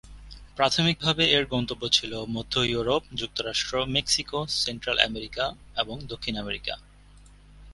প্রাথমিক ভাবে এর গন্তব্য ছিল মধ্য-ইউরোপ, যুক্তরাষ্ট্র, মেক্সিকো, সেন্ট্রাল আমেরিকা এবং দক্ষিণ আমেরিকা।